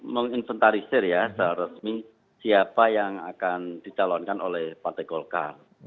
menginventarisir ya secara resmi siapa yang akan dicalonkan oleh partai golkar